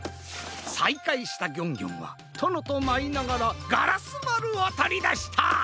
さいかいしたギョンギョンはとのとまいながらガラスまるをとりだした！